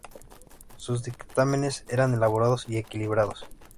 Sus dictámenes eran elaborados y equilibrados.